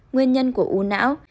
nguyên nhân của u não